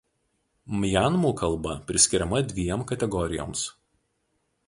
Mjanmų kalba priskiriama dviem kategorijoms.